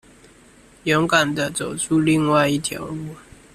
勇敢地走出另外一條路